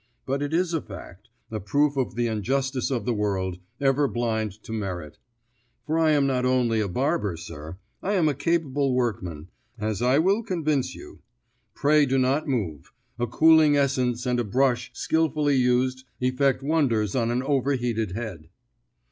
But it is a fact a proof of the injustice of the world, ever blind to merit. For I am not only a barber, sir, I am a capable workman, as I will convince you. Pray do not move; a cooling essence and a brush skilfully used effect wonders on an over heated head."